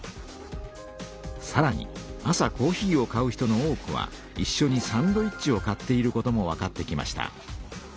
さらに朝コーヒーを買う人の多くはいっしょにサンドイッチを買っていることもわかってきました。